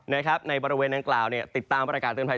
ในบริเวณดังกล่าวติดตามประกาศเตือนภัย